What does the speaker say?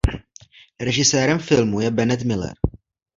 Režisérem filmu je Bennett Miller.